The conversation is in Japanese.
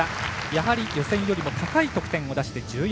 やはり予選よりも高い得点で１４点台。